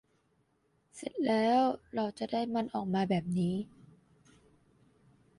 เสร็จแล้ว เราจะได้มันออกมาแบบนี้